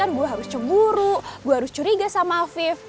jadi kan gue harus cemburu gue harus curiga sama afif